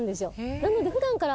なので普段から。